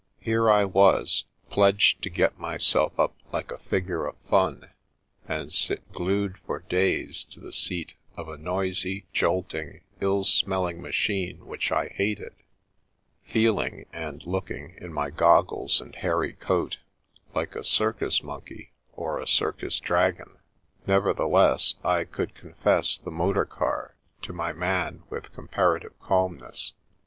Here I was, pledged to get myself up like a figure of Fun, and sit glued for days to the seat of a noisy, jolting, ill smelling machine which I hated, feeling (and looking), in my goggles and hairy coat, like a circus monkey or a circus dragon. Nevertheless, I could confess the motor car to my man with comparative calmness!